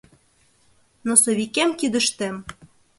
Носовикем кидыштем